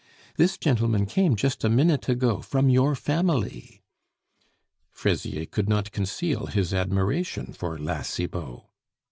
"This gentleman came just a minute ago, from your family." Fraisier could not conceal his admiration for La Cibot.